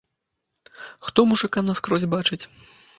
Хто мужыка наскрозь бачыць?